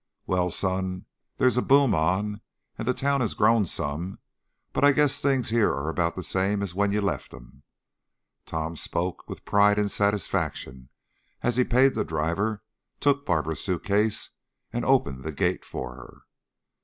"Well, son, there's a boom on and the town has grown some; but I guess things here are about the same as when you left 'em." Tom spoke with pride and satisfaction as he paid the driver, took Barbara's suitcase, and opened the gate for her.